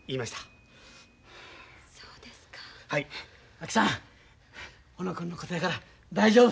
あきさん小野君のことやから大丈夫。